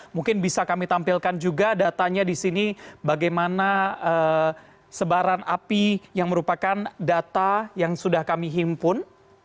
mungkin bisa kami tampilkan juga datanya di sini bagaimana sebaran api yang merupakan data yang sudah kami himpun